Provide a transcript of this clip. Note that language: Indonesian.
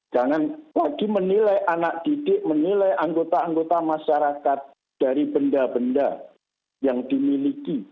jangan lagi menilai anak didik menilai anggota anggota masyarakat dari benda benda yang dimiliki